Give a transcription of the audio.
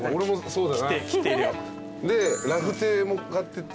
ラフテーも買って全部。